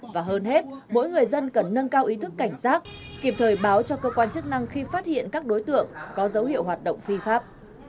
và hơn hết mỗi người dân cần nâng cao ý thức cảnh giác kịp thời báo cho cơ quan chức năng khi phát hiện các đối tượng có dấu hiệu hoạt động phi pháp